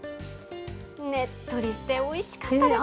ねっとりしておいしかったです。